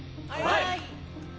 はい！